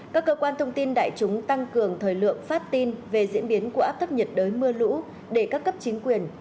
các cơ quan thông tin đại chúng tăng cường thời lượng phát tin về diễn biến của áp thấp nhiệt đới mưa lũ để các cấp chính quyền